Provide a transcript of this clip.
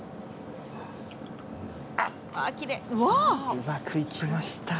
うまくいきました。